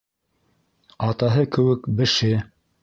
Атаһы кеүек беше.